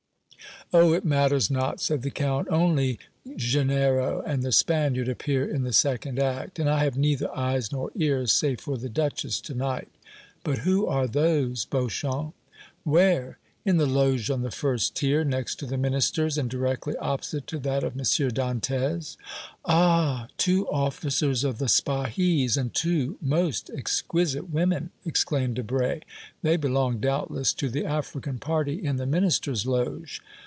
"Oh! it matters not," said the Count; "only Gennaro and the Spaniard appear in the second act, and I have neither eyes nor ears save for the Duchess to night. But who are those, Beauchamp?" "Where?" "In the loge on the first tier, next to the Minister's and directly opposite to that of M. Dantès?" "Ah! two officers of the Spahis and two most exquisite women!" exclaimed Debray. "They belong, doubtless, to the African party in the Minister's loge.